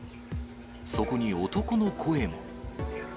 そこに男の声も。